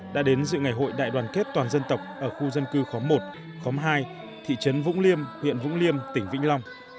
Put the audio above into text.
đã đến dự ngày hội đại đoàn kết toàn dân tộc ở khu dân cư khóm một khóm hai thị trấn vũng liêm huyện vũng liêm tỉnh vĩnh long